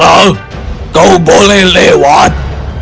baiklah kau boleh lewat